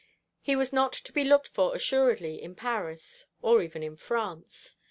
He was not to be looked for assuredly in Paris, or even in France.